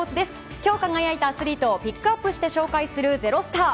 今日輝いたアスリートをピックアップして紹介する「＃ｚｅｒｏｓｔａｒ」。